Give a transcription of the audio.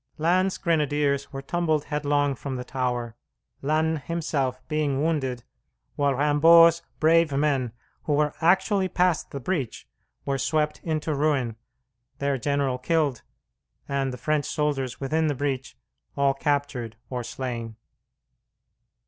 Lannes's grenadiers were tumbled headlong from the tower, Lannes himself being wounded, while Rimbaud's brave men, who were actually past the breach, were swept into ruin, their general killed, and the French soldiers within the breach all captured or slain.